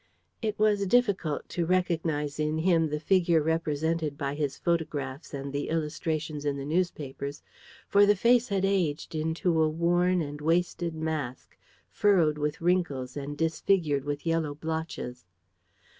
It was difficult to recognize in him the figure represented by his photographs and the illustrations in the newspapers, for the face had aged into a worn and wasted mask, furrowed with wrinkles and disfigured with yellow blotches.